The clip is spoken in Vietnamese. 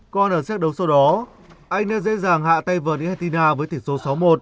còn ở sách đấu sau đó anh đã dễ dàng hạ tay vợ argentina với tỷ số sáu một